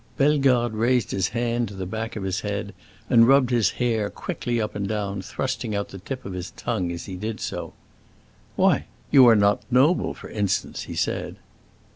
Bellegarde raised his hand to the back of his head and rubbed his hair quickly up and down, thrusting out the tip of his tongue as he did so. "Why, you are not noble, for instance," he said.